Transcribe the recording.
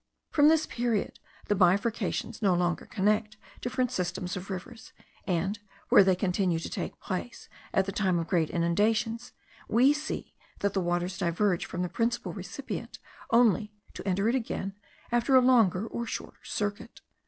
From this period the bifurcations no longer connect different systems of rivers; and, where they continue to take place at the time of great inundations, we see that the waters diverge from the principal recipient only to enter it again after a longer or shorter circuit.